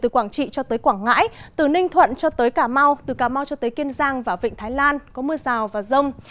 quảng ngãi ninh thuận cà mau kiên giang và vịnh thái lan có mưa rào và rông